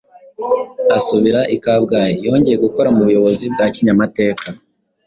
asubira i Kabgayi. Yongeye gukora mu buyobozi bwa Kinyamateka.